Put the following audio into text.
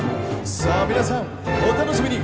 さあ皆さんお楽しみに。